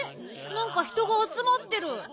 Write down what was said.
なんか人があつまってる。